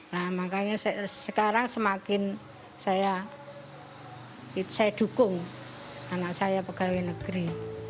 nah makanya sekarang semakin saya dukung anak saya pegawai negeri